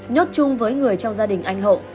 nhốt chung với người trong gia đình anh hậu